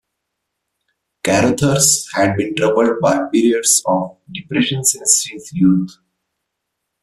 Carothers had been troubled by periods of depression since his youth.